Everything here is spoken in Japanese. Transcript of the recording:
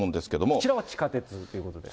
こちらは地下鉄ということですね。